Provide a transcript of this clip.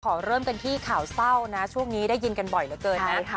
เริ่มกันที่ข่าวเศร้านะช่วงนี้ได้ยินกันบ่อยเหลือเกินนะ